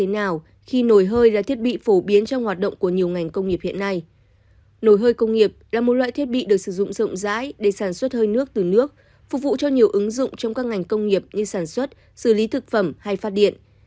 nồi hơi công nghiệp là một loại thiết bị được sử dụng rộng rãi để sản xuất hơi nước từ nước phục vụ cho nhiều ứng dụng trong các ngành công nghiệp như sản xuất xử lý thực phẩm hay phát điện